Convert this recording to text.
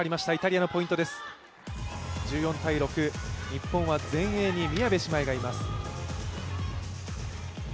日本は前衛に宮部姉妹がいます。